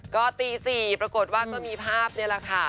ก็ตี๔ปรากฏว่าก็มีภาพนี่แหละค่ะ